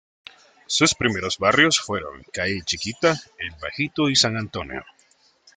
Sus primeros barrios fueron Calle Chiquita, El Bajito y San Antonio.